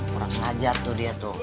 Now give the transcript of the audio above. kurang ajar tuh dia tuh